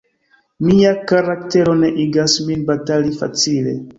Mia karaktero ne igas min batali facile.